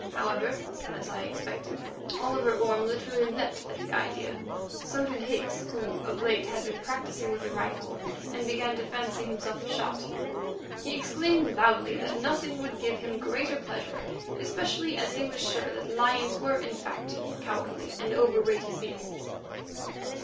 However, as I expected, Oliver Orme literally leaped at the idea. So did Higgs, who of late had been practising with a rifle and began to fancy himself a shot. He exclaimed loudly that nothing would give him greater pleasure, especially as he was sure that lions were in fact cowardly and overrated beasts.